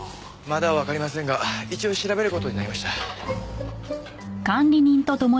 まだわかりませんが一応調べる事になりました。